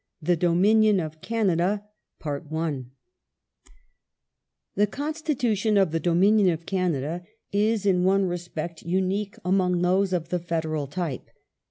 THE DOMINION OP CANADA T HE Constitution of the Dominion of Canada is, in one re Unique spect, unique among those of the federal type.